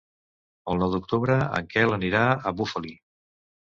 El nou d'octubre en Quel anirà a Bufali.